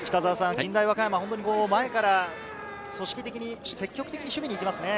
近大和歌山は前から組織的に、積極的に守備に行きますね。